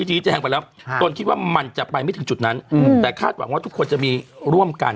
ชี้แจงไปแล้วตนคิดว่ามันจะไปไม่ถึงจุดนั้นแต่คาดหวังว่าทุกคนจะมีร่วมกัน